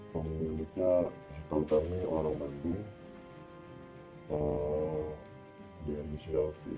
pemiliknya si tautani oromadu diandisi alkit